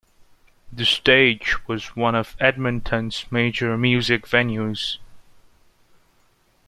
The stage was one of Edmonton's major music venues.